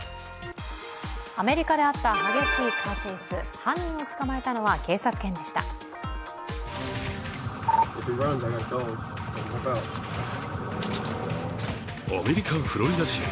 アメリカであった激しいカーチェース、犯人を捕まえたのは、警察犬でしたアメリカ・フロリダ州。